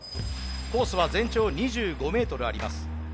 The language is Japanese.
コースは全長２５ｍあります。